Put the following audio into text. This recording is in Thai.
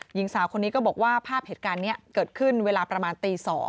หญิงสาวคนนี้ก็บอกว่าภาพเหตุการณ์นี้เกิดขึ้นเวลาประมาณตี๒